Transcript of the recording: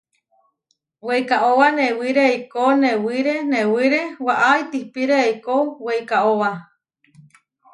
Weikaóba newiré eikó newiré newiré, waʼá itihpíre eikó weikaóba.